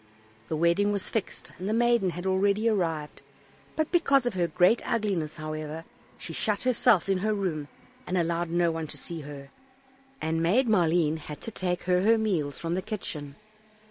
The wedding was fixed, and the maiden had already arrived; but because of her great ugliness, however, she shut herself in her room, and allowed no one to see her, and Maid Maleen had to take her her meals from the kitchen.